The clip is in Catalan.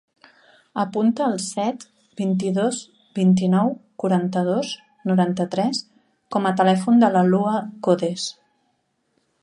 Apunta el set, vint-i-dos, vint-i-nou, quaranta-dos, noranta-tres com a telèfon de la Lua Codes.